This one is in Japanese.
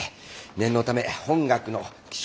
念のため本学の稀少